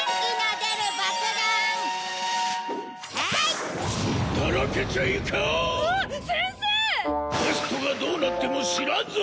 テストがどうなっても知らんぞ！？